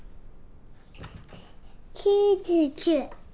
９９。